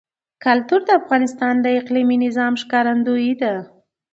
کلتور د افغانستان د اقلیمي نظام ښکارندوی ده.